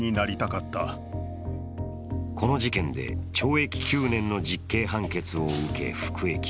この事件で、懲役９年の実刑判決を受け、服役。